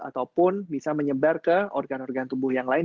ataupun bisa menyebar ke organ organ tubuh yang lain